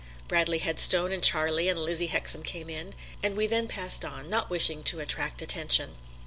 Bradley Headstone and Charlie and Lizzie Hexam came in, and we then passed on, not wishing to attract attention.